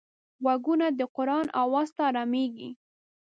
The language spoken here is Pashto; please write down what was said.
غوږونه د قرآن آواز ته ارامېږي